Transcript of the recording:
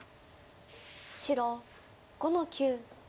白５の九。